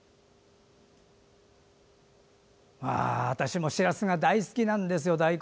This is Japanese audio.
私もしらすが大好きなんですよ。